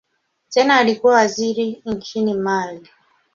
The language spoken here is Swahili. Tena alikuwa waziri nchini Mali.